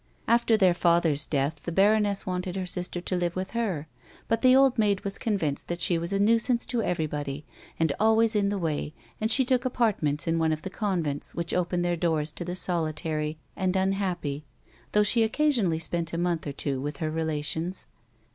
After their father's death the baroness wanted her sister to live with her, but the old maid was convinced that she was a nuisance to everybody, and always in the way, and she took apartments in one of the convents which open their doors to the solitary and unhappy, tliough she occasionally spent a month or two with her relations.